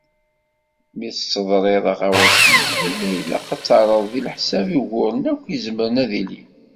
Mi tesseḍriḍ aɣawas-nni, yella ilaq ad terreḍ deg leḥsab uguren akk izemren ad ilin.